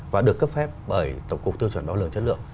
và được cấp phép bởi tổng cục tiêu chuẩn đo lường chất lượng